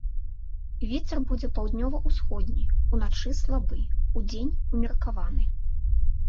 Вецер будзе паўднёва-ўсходні, уначы слабы, удзень умеркаваны.